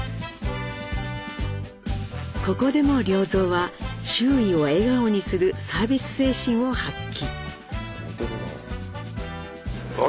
ここでも良三は周囲を笑顔にするサービス精神を発揮。